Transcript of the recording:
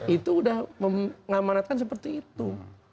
itu udah mengamanatkan seperti itu